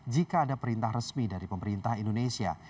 jika ada perintah resmi dari pemerintah indonesia